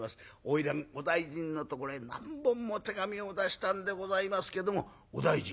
花魁お大尽のところへ何本も手紙を出したんでございますけどもお大尽